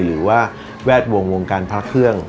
หรือว่าแวดวงวงการพระเครื่อง